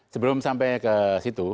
sebelum sampai ke situ